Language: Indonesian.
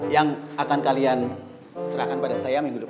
yang akan kalian serahkan pada saya minggu depan